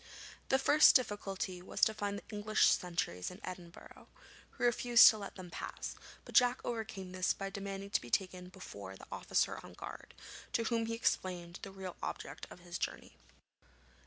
The first difficulty was with the English sentries in Edinburgh, who refused to let them pass; but Jack overcame this by demanding to be taken before the officer on guard, to whom he explained the real object of his journey.